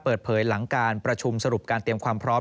เปิดเผยหลังการประชุมสรุปการเตรียมความพร้อม